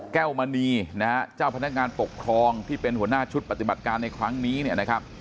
แก้วมณีนะฮะเจ้าพนักงานปกครองที่เป็นหัวหน้าชุดปฏิบัติการในครั้งนี้เนี่ยนะครับ